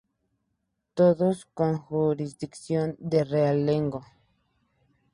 Todos con jurisdicción de realengo.